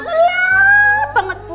lelap banget bu